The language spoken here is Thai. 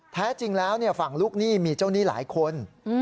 แท้จริงแล้วฝั่งลูกหนี้มีเจ้าหนี้หลายคน